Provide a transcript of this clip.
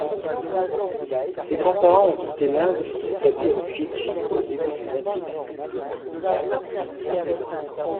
Ses grands-parents ont quitté l'Inde pour s'établir aux Fidji au début du vingtième siècle.